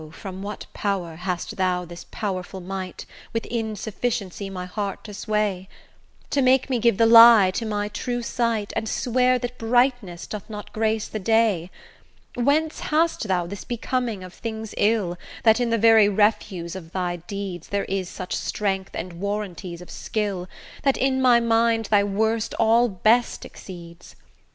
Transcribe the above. from what power hast thou this powerful might, With insufficiency my heart to sway? To make me give the lie to my true sight, And swear that brightness doth not grace the day? Whence hast thou this becoming of things ill, That in the very refuse of thy deeds There is such strength and warrantise of skill, That, in my mind, thy worst all best exceeds?